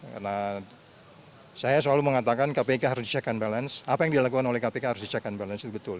karena saya selalu mengatakan kpk harus dicekkan balance apa yang dilakukan oleh kpk harus dicekkan balance itu betul